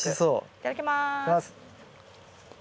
いただきます。